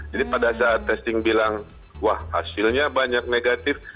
jadi pada saat testing bilang wah hasilnya banyak negatif